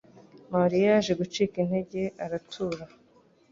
mariya yaje gucika intege aratura